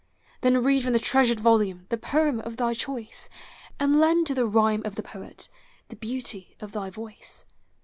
Then read from the treasured volume The poem of thy choice. And lend to the rhyme of the poet The beauty of thy voice.